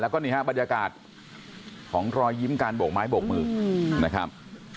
แล้วก็นี่ฮะบรรยากาศของรอยยิ้มการโบกไม้โบกมือนะครับ